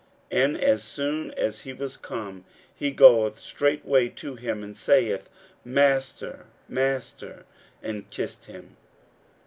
41:014:045 And as soon as he was come, he goeth straightway to him, and saith, Master, master; and kissed him.